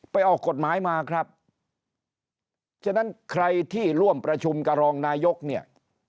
ออกกฎหมายมาครับฉะนั้นใครที่ร่วมประชุมกับรองนายกเนี่ย